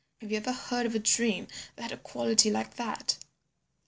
Have you ever heard of a dream that had a quality like that?"